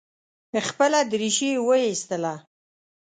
خپله درېشي یې وایستله.